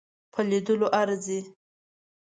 په لیدلو ارزي.